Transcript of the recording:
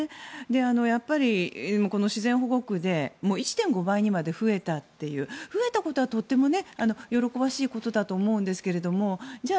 やっぱりこの自然保護区で１．５倍にまで増えたという増えたことはとても喜ばしいことだと思うんですけどじゃあ